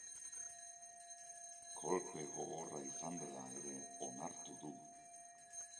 Kolpe gogorra izan dela ere onartu du.